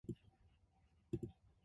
목메인 소리가 뒤를 따랐다.